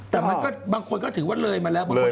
แต่มันบางคนก็ถือว่าเลยมาแล้ว